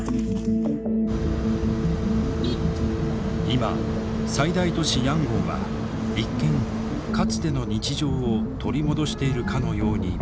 今最大都市ヤンゴンは一見かつての日常を取り戻しているかのように見える。